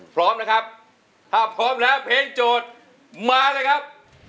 พร้อมนะครับถ้าพร้อมแล้วเพลงโจทย์มาเลยครับ